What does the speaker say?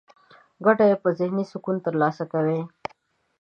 ګټه يې په ذهني سکون ترلاسه کوي.